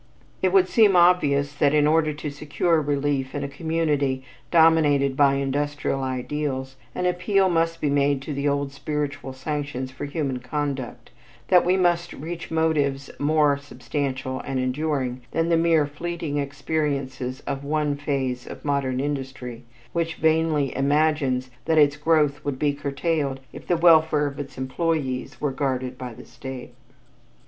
It would seem obvious that in order to secure relief in a community dominated by industrial ideals, an appeal must be made to the old spiritual sanctions for human conduct, that we must reach motives more substantial and enduring than the mere fleeting experiences of one phase of modern industry which vainly imagines that its growth would be curtailed if the welfare of its employees were guarded by the state.